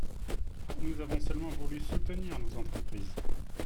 Nous avons seulement voulu soutenir nos entreprises